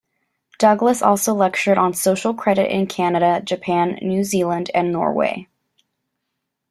Douglas also lectured on Social Credit in Canada, Japan, New Zealand and Norway.